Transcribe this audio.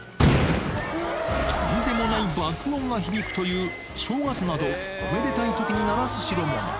とんでもない爆音が響くという、正月など、おめでたいときに鳴らす代物。